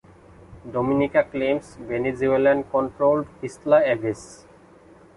Dominica claims Venezuelan controlled Isla Aves.